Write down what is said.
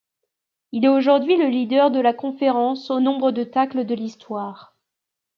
Il est aujourd'hui le leader de la conférence au nombre de tacles de l'histoire.